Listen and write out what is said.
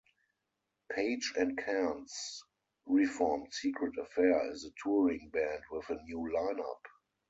Page and Cairns reformed Secret Affair as a touring band with a new line-up.